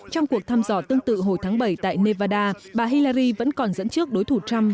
trong cuộc thăm dò tương tự hồi tháng bảy tại nevada bà hilery vẫn còn dẫn trước đối thủ trump